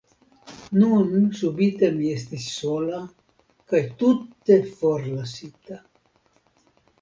Nun subite mi estis sola kaj tute forlasita.